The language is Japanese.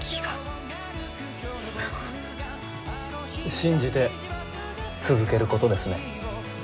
信じて続けることですね。